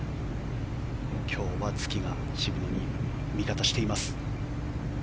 今日はツキが渋野に味方しています。